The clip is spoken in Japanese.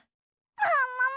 ももも！